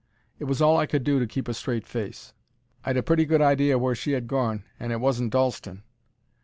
It was all I could do to keep a straight face. I'd a pretty good idea where she 'ad gorn; and it wasn't Dalston.